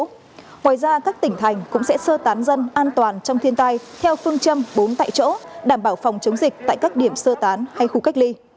ngoài ra các tỉnh thành cũng sẽ sơ tán dân an toàn trong thiên tai theo phương châm bốn tại chỗ đảm bảo phòng chống dịch tại các điểm sơ tán hay khu cách ly